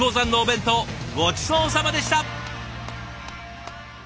ごちそうさまでした！